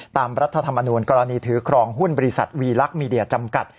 รัฐธรรมนูญกรณีถือครองหุ้นบริษัทวีลักษณ์มีเดียจำกัด